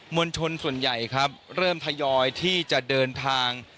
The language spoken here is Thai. วลชนส่วนใหญ่ครับเริ่มทยอยที่จะเดินทาง